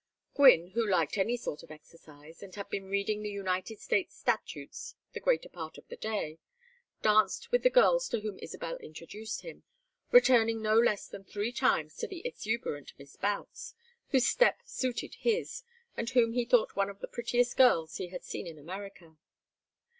Gwynne, who liked any sort of exercise, and had been reading the United States Statutes the greater part of the day, danced with the girls to whom Isabel introduced him, returning no less than three times to the exuberant Miss Boutts, whose step suited his, and whom he thought one of the prettiest girls he had seen in America.